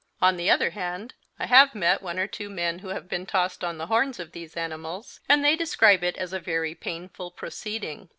On the other hand, I have met one or two men who have been tossed on the horns of these animals, and they described it as a very painful proceeding.